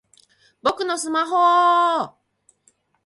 僕のスマホぉぉぉ！